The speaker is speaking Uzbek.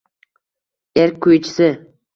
Erk kuychisi